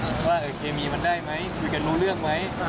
ว่าเคมีมันได้ไหมคุยกันรู้เรื่องไหม